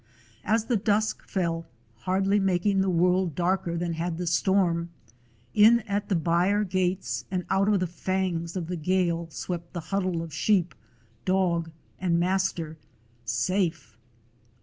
As the dusk fell, hardly making the world darker than had the storm, in at the byre gates, and out of the fangs of the gale, swept the huddle of sheep, dog, and master, safe!